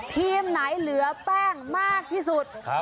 ทีมไหนเหลือแป้งมากที่สุด